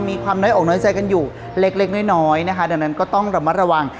มีความน้อยอกน้อยใจกันอยู่เล็กเล็กน้อยนะคะดังนั้นก็ต้องระมัดระวัง